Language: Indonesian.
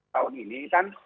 tahun ini kan